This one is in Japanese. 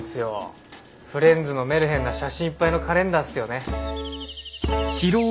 フレンズのメルヘンな写真いっぱいのカレンダーっすよね。